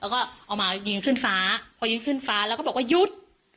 แล้วก็เอามายิงขึ้นฟ้าพอยิงขึ้นฟ้าแล้วก็บอกว่าหยุด